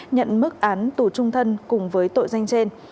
nhận mức án tù trung thân cùng với tội danh trên